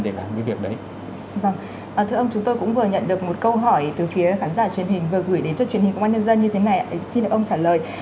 vâng thưa ông chúng tôi cũng vừa nhận được một câu hỏi từ phía khán giả truyền hình vừa gửi đến cho truyền hình của quán nhân dân như thế này để xin được ông trả lời